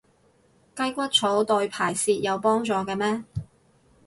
雞骨草對排泄有幫助嘅咩？